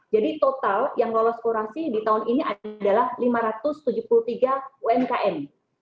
jadi total yang lolos kurasi di tahun ini adalah lima ratus tujuh puluh tiga umkm